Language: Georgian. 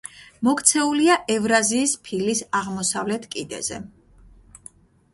მოქცეულია ევრაზიის ფილის აღმოსავლეთ კიდეზე.